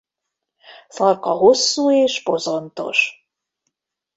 Farka hosszú és bozontos.